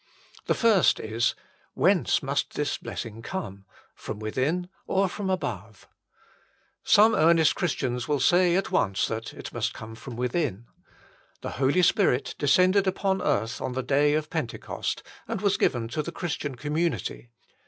The first is : whence must this blessing come, from WITHIN or from ABOVE ? Some earnest Christians will say at once that " it must come from WITHIN." The Holy Spirit descended upon the earth on the day of Pentecost and was given to the Christian community.